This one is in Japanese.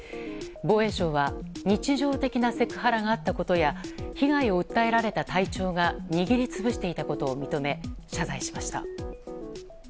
防衛省は日常的なセクハラがあったことや被害を訴えられた体調が握り潰していたことを認め謝罪しました。